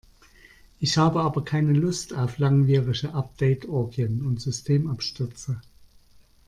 Ich habe aber keine Lust auf langwierige Update-Orgien und Systemabstürze.